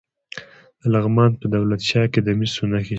د لغمان په دولت شاه کې د مسو نښې شته.